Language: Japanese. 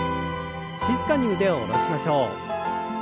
静かに腕を下ろしましょう。